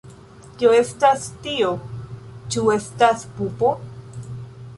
Kio estas tio? Ĉu estas pupo?